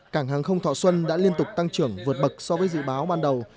cảng hàng không thọ xuân đã liên tục tăng trưởng vượt bậc so với dự báo ban đầu